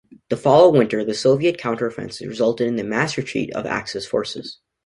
The following winter, the Soviet counter-offensive resulted in the mass retreat of Axis forces.